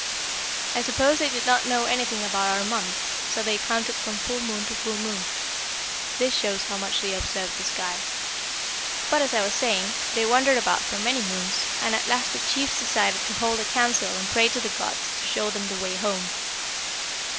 "I suppose they did not know anything about our months, so they counted from full moon to full moon. This shows how much they observe the sky. But, as I was saying, they wandered about for many moons, and at last the chiefs decided to hold a council and pray to the gods to show them the way home.